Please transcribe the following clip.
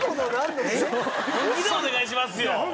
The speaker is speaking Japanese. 本気でお願いしますよ。